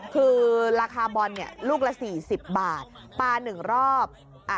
คือราคาบอลลูกละ๔๐บาทปลา๑รอบ